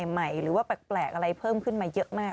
ใหม่หรือว่าแปลกอะไรเพิ่มขึ้นมาเยอะมาก